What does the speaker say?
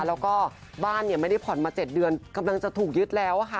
แล้วก็บ้านเนี่ยไม่ได้ผ่อนมา๗เดือนกำลังจะถูกยึดแล้วค่ะ